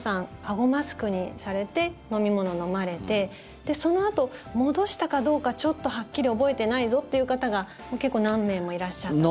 ごマスクにされて飲み物を飲まれてそのあと、戻したかどうかちょっとはっきり覚えてないぞという方が結構、何名もいらっしゃったと。